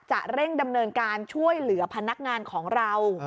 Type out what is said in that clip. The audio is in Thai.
จะเร่งดำเนินการช่วยเหลือพนักงานของเรา